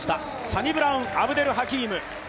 サニブラン・アブデル・ハキーム。